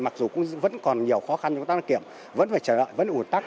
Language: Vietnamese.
mặc dù vẫn còn nhiều khó khăn cho ngành dân kiểm vẫn phải trở lại vẫn ủn tắc